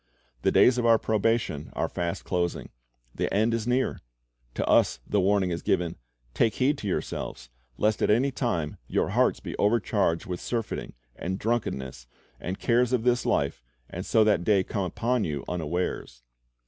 The days of our probation are fast closing. The end is near. To us the warning is given, "Take heed to your selves, lest at any time your hearts be overcharged with surfeiting, and drunkenness, and cares of this life, and so that day come upon you unawares."